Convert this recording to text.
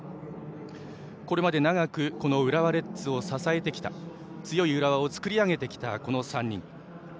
これまで長く浦和レッズを支えてきた強い浦和を作り上げてきたこの３人。